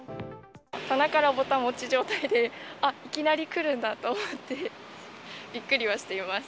棚からぼた餅状態で、あっ、いきなりくるんだと思って、びっくりはしています。